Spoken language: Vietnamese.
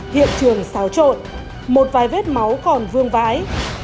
hiện trường xáo trộn một vài vết máu còn vương vái